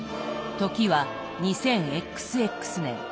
時は２０ＸＸ年。